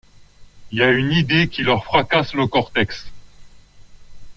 y'a une idée qui leur fracasse le cortex.